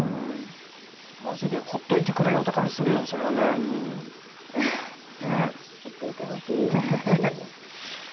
マジでほっといてくれよって感じするよね、それは。ほっといてほしいっていう。